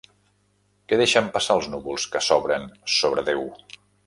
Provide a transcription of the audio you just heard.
Què deixen passar els núvols que s'obren sobre Déu?